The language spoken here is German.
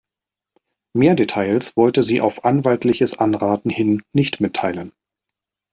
Mehr Details wollten sie auf anwaltliches Anraten hin nicht mitteilen.